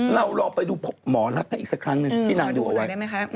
เราลองไปดูหมอรักกันอีกสักครั้งหนึ่งที่นางดูเอาไว้